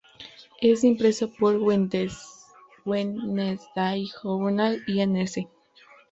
Es impreso por Wednesday Journal, Inc.